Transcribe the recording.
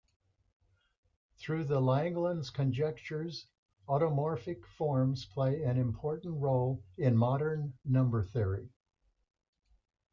Through the Langlands conjectures automorphic forms play an important role in modern number theory.